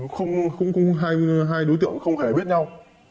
không không không hai đối tượng không hề biết nhau